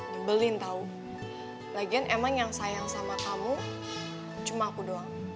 jumbelin tahu lagian emang yang sayang sama kamu cuma aku doang